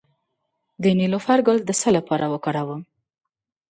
د نیلوفر ګل د څه لپاره وکاروم؟